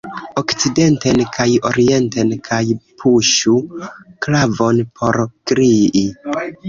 Okcidenten kaj orienten kaj puŝu klavon por krii.